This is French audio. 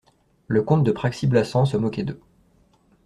Le comte de Praxi-Blassans se moquait d'eux.